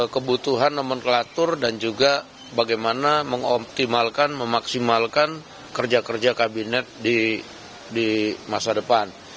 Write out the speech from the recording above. kebutuhan nomenklatur dan juga bagaimana mengoptimal memaksimalkan kerja kerja kabinet di masa depan